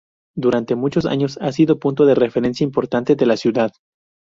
Durante muchos años, ha sido punto de referencia importante de la ciudad.